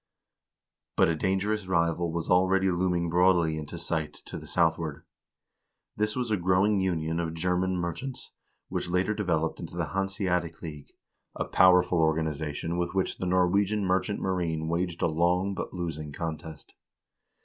But a dan gerous rival was already looming broadly into sight to the south ward. This was a growing union of German merchants, which later developed into the Hanseatic League, a powerful organization with which the Norwegian merchant marine waged a long but losing con test.